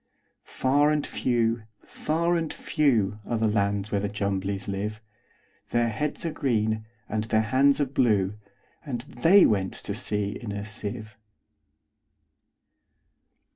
Far and few, far and few, Are the lands where the Jumblies live:Their heads are green, and their hands are blue; And they went to sea in a sieve.